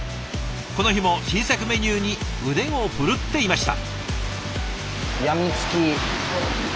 この日も新作メニューに腕を振るっていました。